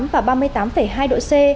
ba mươi tám và ba mươi tám hai độ c